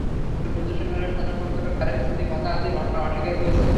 তবে সূর্যসেন হলের সাধারণ সম্পাদক আরেফিন সিদ্দিক হাতাহাতির ঘটনা অস্বীকার করেছেন।